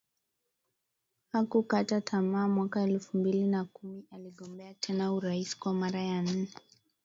Hakukata tamaa mwaka elfu mbili na kumi aligombea tena urais kwa mara ya nne